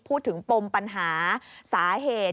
พูดถึงปงปัญหาสาเหตุ